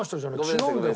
違うんだよ